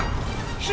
姫！